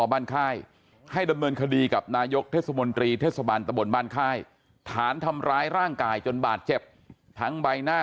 บ้านค่ายให้ดำเนินคดีกับนายกเทศมนตรีเทศบันตะบนบ้านค่ายฐานทำร้ายร่างกายจนบาดเจ็บทั้งใบหน้า